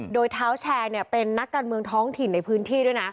โดยเท้าแชร์เป็นนักการเมืองท้องถิ่นในพื้นที่ด้วยนะ